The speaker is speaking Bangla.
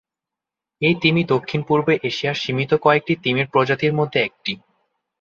এই তিমি দক্ষিণ পূর্ব এশিয়ার সীমিত কয়েকটি তিমির প্রজাতির মধ্যে একটি।